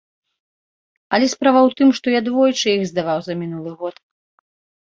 Але справа ў тым, што я двойчы іх здаваў за мінулы год.